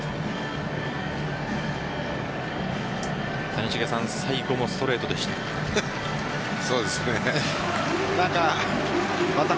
谷繁さん最後もストレートでした。